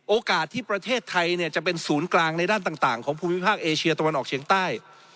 โอกาสที่ประเทศไทยจะเป็นศูนย์กลางในด้านต่างของภูมิภาคเอเชียตะวันออกเฉียงใต้